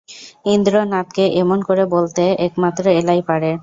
ইন্দ্রনাথকে এমন করে বলতে একমাত্র এলাই পারে।